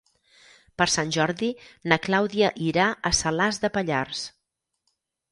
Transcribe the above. Per Sant Jordi na Clàudia irà a Salàs de Pallars.